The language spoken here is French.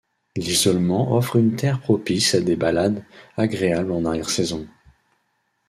L'isolement offre une terre propice à des balades agréables en arrière-saison.